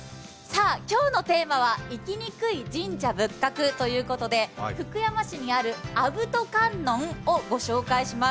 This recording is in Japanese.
今日のテーマは行きにくい神社仏閣ということで、福山市にある阿伏兎観音をご紹介します。